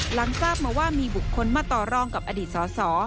หลังจากเมื่อว่ามีบุคคลมาต่อร่องกับอดีตสอ